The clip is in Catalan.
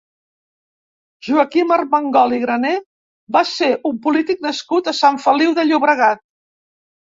Joaquim Armengol i Grané va ser un polític nascut a Sant Feliu de Llobregat.